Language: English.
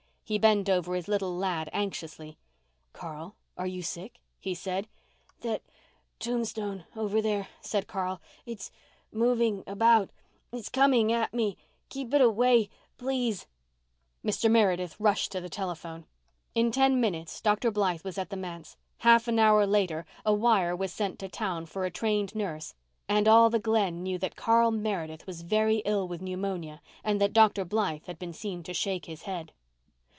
He bent over his little lad anxiously. "Carl, are you sick?" he said. "That—tombstone—over here," said Carl, "it's—moving—about—it's coming—at—me—keep it—away—please." Mr. Meredith rushed to the telephone. In ten minutes Dr. Blythe was at the manse. Half an hour later a wire was sent to town for a trained nurse, and all the Glen knew that Carl Meredith was very ill with pneumonia and that Dr. Blythe had been seen to shake his head.